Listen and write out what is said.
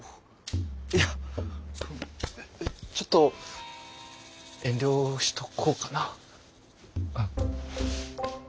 いやちょっと遠慮しとこうかな。